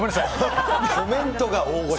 コメントが大御所。